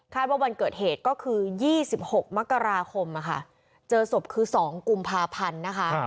คาดว่าวันเกิดเหตุก็คือยี่สิบหกมกราคมนะคะเจอศพคือสองกุมพาพันธุ์นะคะ